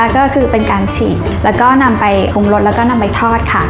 ก็คือเป็นการฉีกแล้วก็นำไปปรุงรสแล้วก็นำไปทอดค่ะ